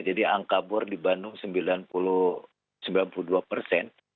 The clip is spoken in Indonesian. jadi angka bor di bandung sembilan puluh dua persen